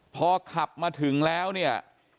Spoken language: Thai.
พอขับมาถึงแล้วเนี่ย